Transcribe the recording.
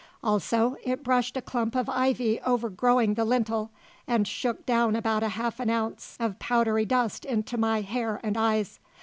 Also it brushed a clump of ivy overgrowing the lintel, and shook down about half an ounce of powdery dust into my hair and eyes.